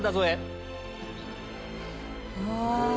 うわ！